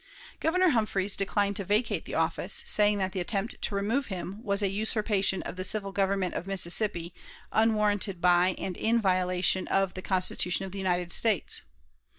Governor Humphreys declined to vacate the office, saying that the attempt to remove him was a "usurpation of the civil government of Mississippi, unwarranted by and in violation of the Constitution of the United States."